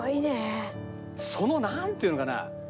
そのなんていうのかな。